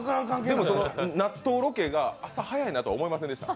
でも、納豆ロケが朝早いと思いませんでした？